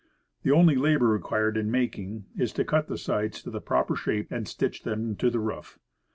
The only labor required in making, is to cut the sides to the proper shape, and stitch them to the roof.